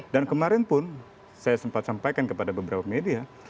dan kemarin pun saya sempat sampaikan kepada beberapa media